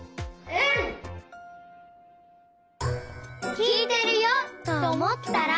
きいてるよとおもったら。